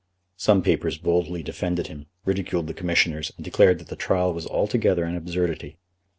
Some papers boldly defended him, ridiculed the Commissioners, and declared that the trial was altogether an absurdity.